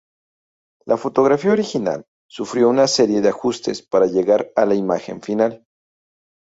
La fotografía original sufrió una serie de ajustes para llegar a la imagen final.